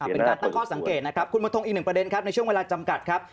เป็นการตั้งข้อสังเกตนะครับคุณมณฑงอีกหนึ่งประเด็นครับในช่วงเวลาจำกัดครับ